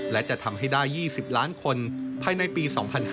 และจะทำให้ได้๒๐ล้านคนภายในปี๒๕๕๙